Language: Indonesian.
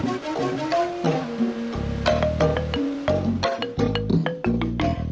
tapi lagi bangun see yuk